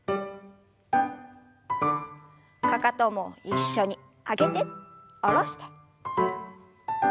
かかとも一緒に上げて下ろして。